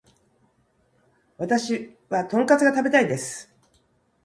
私はトンカツが食べたいです